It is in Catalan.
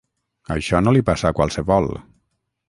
Això no li passa a qualsevol!